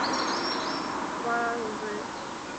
县治所在地为阿伯塔巴德。